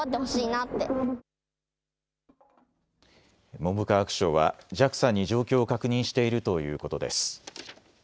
文部科学省はＪＡＸＡに状況を確認しているということです。